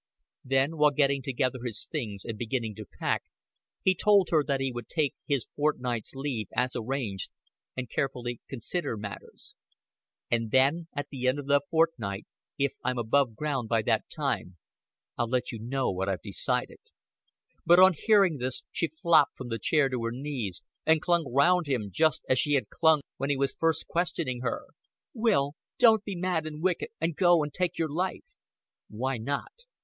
Then, while getting together his things and beginning to pack, he told her that he would take his fortnight's leave, as arranged, and carefully consider matters. "And then, at the end of the fortnight, if I'm above ground by that time, I'll let you know what I've decided." But, on hearing this, she flopped from the chair to her knees, and clung round him just as she had clung when he was first questioning her. "Will, don't be mad and wicked, and go and take your life." "Why not?